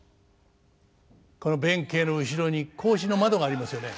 この弁慶の後ろに格子の窓がありますよね。